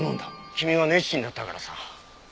君は熱心だったからさ。